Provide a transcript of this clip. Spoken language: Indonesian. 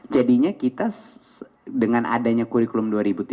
jadinya kita dengan adanya kurikulum dua ribu tujuh belas